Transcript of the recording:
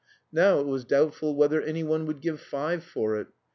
Now it was doubtful whether anyone would give five for it.